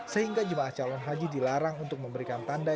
sehingga jemaah calon haji dilarang untuk memberikan tanda